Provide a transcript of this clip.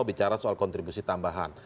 bicara soal kontribusi tambahan